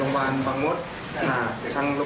อาหารดอกน้ำมาหนึ่งจะเป็นคนซึ่ง